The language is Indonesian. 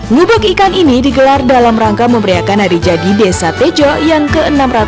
ngubek ikan ini digelar dalam rangka memberiakan hari jadi desa tejo yang ke enam ratus tiga puluh